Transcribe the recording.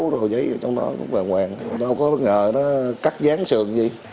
rồi giấy trong đó cũng đàng hoàng đâu có bất ngờ nó cắt dán sườn gì